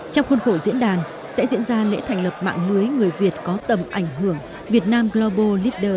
trong khuôn khổ diễn đàn sẽ diễn ra lễ thành lập mạng mới người việt có tầm ảnh hưởng việt nam global leaders network